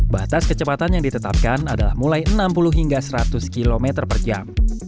batas kecepatan yang ditetapkan adalah mulai enam puluh hingga seratus km per jam